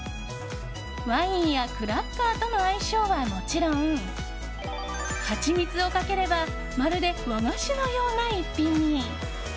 ワインやクラッカーとの相性はもちろんハチミツをかければまるで和菓子のような一品に。